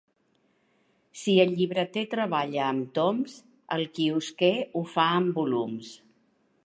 Si el llibreter treballa amb toms, el quiosquer ho fa amb volums.